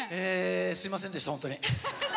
すいませんでした、本当に。